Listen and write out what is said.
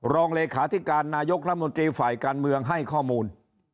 รองเลขาธิการนายกรัฐมนตรีฝ่ายการเมืองให้ข้อมูล